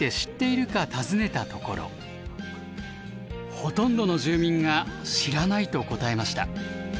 ほとんどの住民が知らないと答えました。